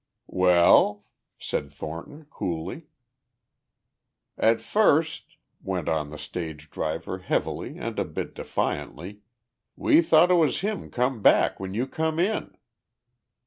"Well?" said Thornton coolly. "At first," went on the stage driver heavily and a bit defiantly, "we thought it was him come back when you come in."